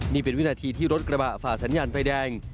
นี่เป็นวินาทีที่รถกระบะฝ่าสัญญาณไฟแดง